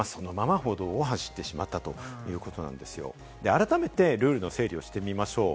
改めてルールの整理をしてみましょう。